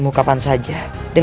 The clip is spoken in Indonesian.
kau sudah menguasai ilmu karang